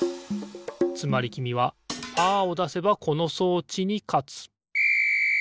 つまりきみはパーをだせばこの装置にかつピッ！